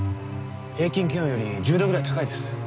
平均気温より１０度ぐらい高いです。